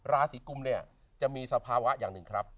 ราศีกุมเนี่ยจะมีสภาวะอย่างหนึ่งครับ